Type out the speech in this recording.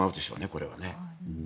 これはね。